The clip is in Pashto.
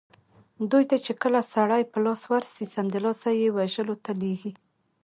دوی ته چې کله سړي په لاس ورسي سمدلاسه یې وژلو ته لېږي.